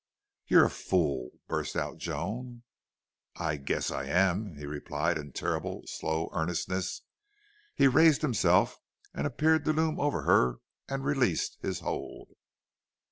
"You're a fool!" burst out Joan. "I guess I am," he replied in terrible, slow earnestness. He raised himself and appeared to loom over her and released his hold.